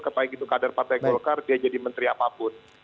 baik itu kader partai golkar dia jadi menteri apapun